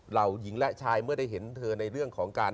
เหล่าหญิงและชายเมื่อได้เห็นเธอในเรื่องของการ